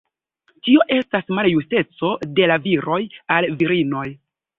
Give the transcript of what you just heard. Tio estas maljusteco de la viroj al virinoj.